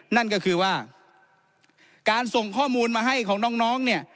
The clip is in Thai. นั่นก็คือว่าการส่งข้อมูลมาให้ของน้องเนี่ย